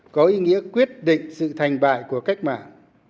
có ý nghĩa quyết định sự thành bại của cách mạng